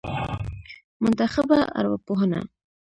منتخبه ارواپوهنه